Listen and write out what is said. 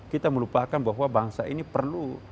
kita melupakan bahwa bangsa ini perlu